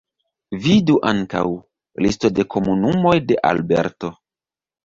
Vidu ankaŭ: Listo de komunumoj de Alberto.